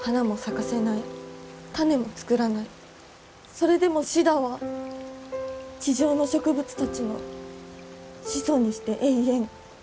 それでもシダは地上の植物たちの始祖にして永遠。